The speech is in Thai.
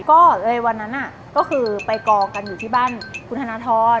ก็เลยวันนั้นก็คือไปกองกันอยู่ที่บ้านคุณธนทร